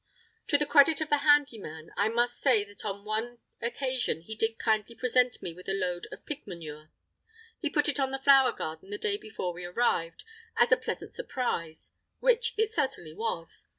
To the credit of the handy man I must say that on one occasion he did kindly present me with a load of pig manure. He put it on the flower garden the day before we arrived, as a pleasant surprise, which it certainly was!